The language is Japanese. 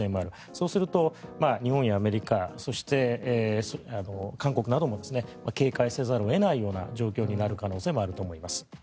そうすると、日本やアメリカそして韓国なども警戒せざるを得ないような状況になるかもしれません。